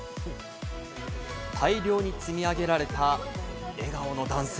大量に積み上げられた笑顔の男性。